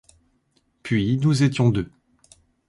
Puis, nous étions deux.